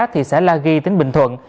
thị xã la ghi tính bình thuận